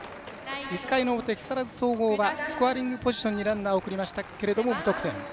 １回の表、木更津総合はスコアリングポジションにランナーを送りましたけれど無得点。